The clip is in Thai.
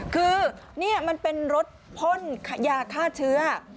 คือนี่มันเป็นรถพ่นยาฆ่าเชื้อ